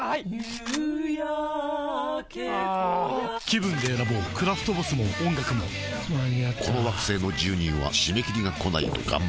気分で選ぼうクラフトボスも音楽も間に合ったこの惑星の住人は締め切りがこないとがんばれない